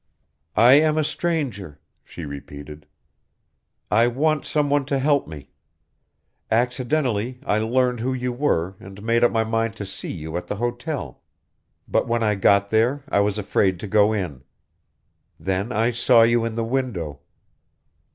"I am a stranger," she repeated. "I want some one to help me. Accidentally I learned who you were and made up my mind to see you at the hotel, but when I got there I was afraid to go in. Then I saw you in the window.